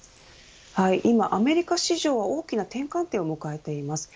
今、アメリカ市場は大きな転換点を迎えています。